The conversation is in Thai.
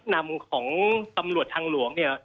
นำของตำรวจทางหลวงเนี่ย